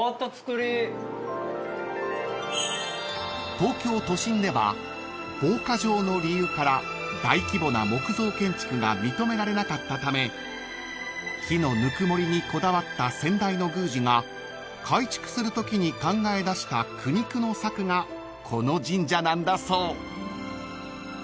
［東京都心では防火上の理由から大規模な木造建築が認められなかったため木のぬくもりにこだわった先代の宮司が改築するときに考え出した苦肉の策がこの神社なんだそう］